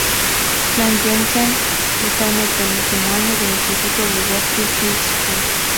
Clay Jensen está en el penúltimo año del instituto "Liberty High School".